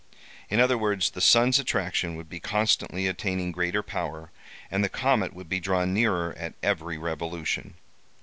In other words, the sun's attraction would be constantly attaining greater power, and the comet would be drawn nearer at every revolution.